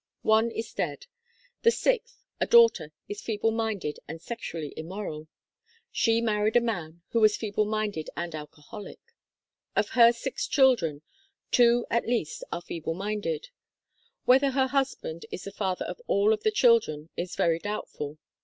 One is dead. The sixth, a daughter, is feeble minded and sexually immoral. She married a man who was feeble minded and alcoholic. Of her six children, two at least are feeble minded. Whether her husband is the father of all of the children is very doubtful.